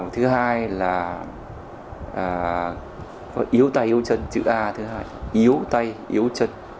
thứ hai là yếu tay yếu trần chữ a thứ hai yếu tay yếu chân